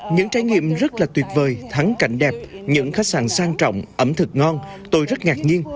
những trải nghiệm rất là tuyệt vời thắng cảnh đẹp những khách sạn sang trọng ẩm thực ngon tôi rất ngạc nhiên